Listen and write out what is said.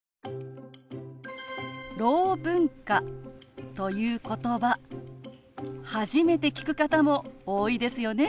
「ろう文化」ということば初めて聞く方も多いですよね。